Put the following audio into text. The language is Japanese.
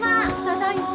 ただいま。